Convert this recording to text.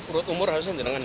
kurut umur harusnya jenangan